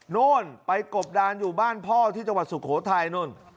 โน่นไปกบดานอยู่บ้านพ่อที่จังหวัดสุโขทัยนู่น